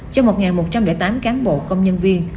cho một một trăm linh tám cán bộ công nhân viên